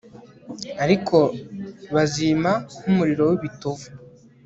ariko bazima nk'umuriro w'ibitovu